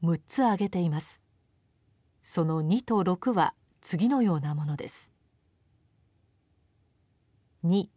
その二と六は次のようなものです。